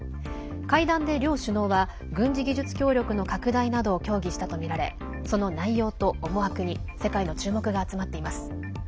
会談で両首脳は、軍事技術協力の拡大などを協議したとみられその内容と思惑に世界の注目が集まっています。